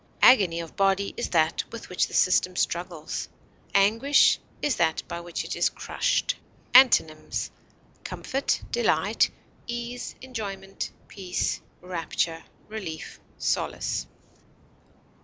Agony of body is that with which the system struggles; anguish that by which it is crushed. Antonyms: comfort, delight, ease, enjoyment, peace, rapture, relief, solace.